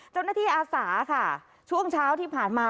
เจ้าหน้าที่อาศาค่ะช่วงเช้าที่ผ่านมา